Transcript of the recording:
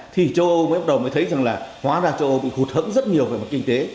thì châu âu mới bắt đầu mới thấy rằng là hóa ra châu âu bị hụt hẫn rất nhiều về mặt kinh tế